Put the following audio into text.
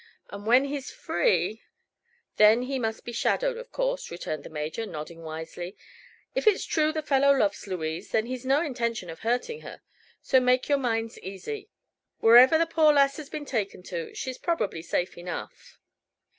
And when he is free " "Then he must be shadowed, of course," returned the Major, nodding wisely. "If it's true the fellow loves Louise, then he's no intention of hurting her. So make your minds easy. Wherever the poor lass has been taken to, she's probably safe enough."